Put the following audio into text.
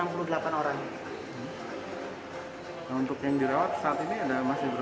nah untuk yang dirawat saat ini ada masih berapa